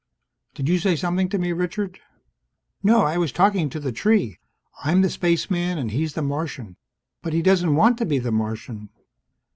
"Did you say something to me, Richard?" "No. I was talking to the tree. I'm the Spaceman and he's the Martian. But he doesn't want to be the Martian!"